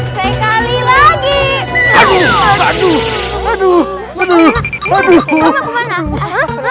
cekali lagi aduh aduh aduh aduh lu